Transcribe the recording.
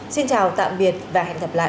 xin chào tạm biệt và hẹn gặp lại